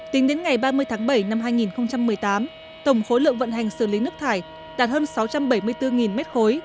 tính đến ngày ba mươi tháng bảy năm hai nghìn một mươi tám tổng khối lượng vận hành xử lý nước thải đạt hơn sáu trăm bảy mươi bốn mét khối